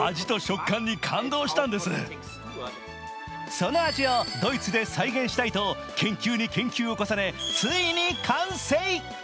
その味をドイツで再現したいと研究に研究を重ね、ついに完成。